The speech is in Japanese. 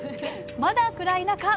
まだ暗い中港へ！